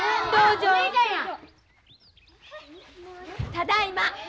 ただいま。